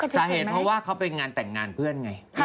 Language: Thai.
สาเหตุเพราะว่าเขาไปงานแต่งงานเพื่อนไง